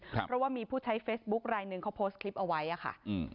เพราะว่ามีผู้ใช้เฟซบุ๊คไลนึงเขาโพสต์คลิปเอาไว้อ่ะค่ะอืม